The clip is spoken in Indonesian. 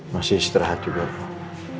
masih istirahat juga pak